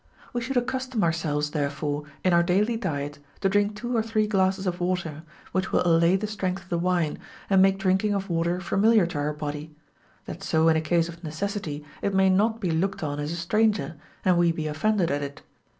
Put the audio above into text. We should accustom ourselves therefore in our daily diet to drink two or three glasses of water, which will allay the strength of the wine, and make drink ing of water familiar to our body, that so in a case of necessity it may not be looked on as a stranger, and we be offended at it.